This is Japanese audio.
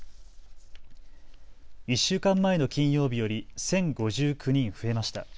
１週間前の金曜日より１０５９人増えました。